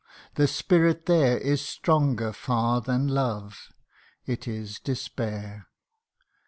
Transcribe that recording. the spirit there Is stronger far than love it is despair